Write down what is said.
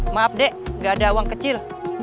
maaf dek gak ada uang kecil